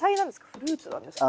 フルーツなんですか？